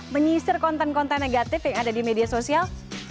menyisir konten konten negatif yang ada di media sosial